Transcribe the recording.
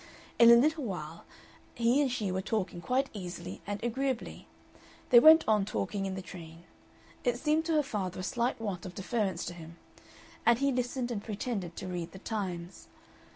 In a little while he and she were talking quite easily and agreeably. They went on talking in the train it seemed to her father a slight want of deference to him and he listened and pretended to read the Times.